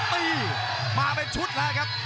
ปีมาเป็นชุดละครับ